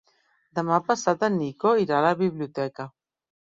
Demà passat en Nico irà a la biblioteca.